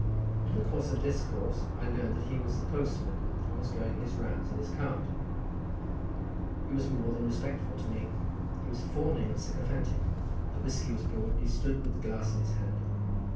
In the course of discourse I learned that he was the postman, and was going his rounds in his cart—he was more than respectful to me, he was fawning and sycophantic. The whiskey was brought, and he stood with the glass in his hand.